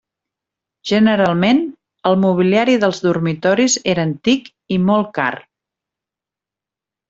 Generalment, el mobiliari dels dormitoris era antic i molt car.